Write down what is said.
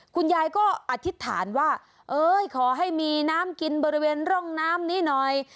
คุณยายก็อธิษฐานว่าเอ้ยขอให้มีน้ำกินบริเวณร่องน้ำนี้หน่อย